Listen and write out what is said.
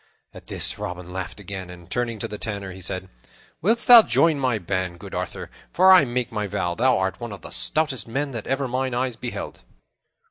At this Robin laughed again, and, turning to the Tanner, he said, "Wilt thou join my band, good Arthur? For I make my vow thou art one of the stoutest men that ever mine eyes beheld."